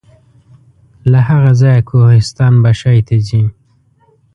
له هغه ځایه کوهستان بشای ته ځي.